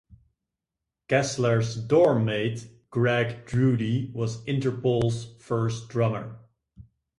Kessler's dormmate Greg Drudy was Interpol's first drummer.